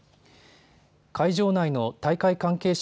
会場内の大会関係者